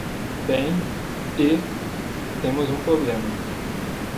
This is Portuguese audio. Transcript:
Bem,? e?, temos um problema.